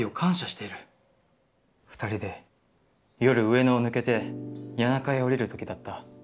二人で夜上野を抜けて谷中へ下りる時だった。